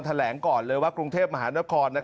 แถลงก่อนเลยว่ากรุงเทพมหานคร